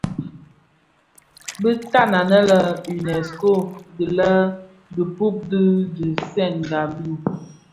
Bi tad anë lè Unesco dii di dhipud di tiisènga bi.